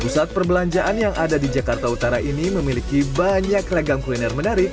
pusat perbelanjaan yang ada di jakarta utara ini memiliki banyak ragam kuliner menarik